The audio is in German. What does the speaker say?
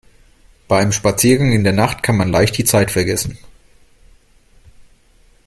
Bei einem Spaziergang in der Nacht kann man leicht die Zeit vergessen.